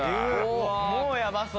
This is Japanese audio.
もうやばそう。